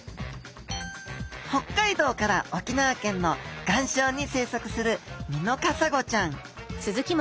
北海道から沖縄県の岩礁に生息するミノカサゴちゃん。